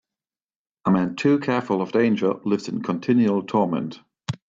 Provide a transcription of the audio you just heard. A man too careful of danger lives in continual torment.